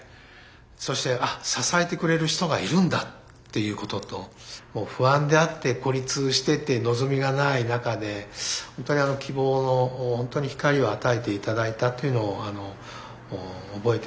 そして「あっ支えてくれる人がいるんだ」っていうことと不安であって孤立してて望みがない中でほんとに希望の光を与えて頂いたというのを覚えています。